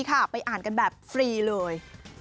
ไปอ่านกันแบบฟรีเลย